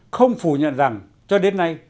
không phủ nhận rằng cho đến nay